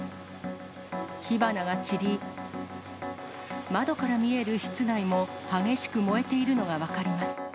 火花が散り、窓から見える室内も激しく燃えているのが分かります。